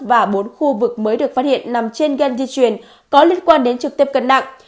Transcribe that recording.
và bốn khu vực mới được phát hiện nằm trên gan di chuyển có liên quan đến trực tiếp cân nặng